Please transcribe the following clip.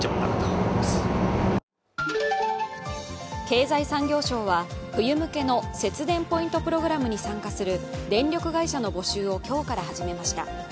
経済産業は冬向けの節電ポイントプログラムに参加する電力会社の募集を今日から始めました。